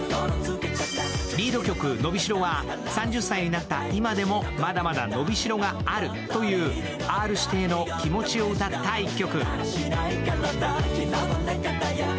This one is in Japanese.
リード曲「のびしろ」は３０歳になってもまだまだ伸びしろがあるというＲ−指定の気持ちを歌った一曲。